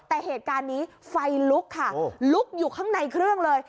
แต่เหตุการณ์นี้ไฟลุกค่ะลุกอยู่ข้างในเครื่องเลย